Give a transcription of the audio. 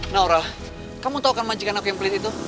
naura kamu tau kan manjikan aku yang pelit itu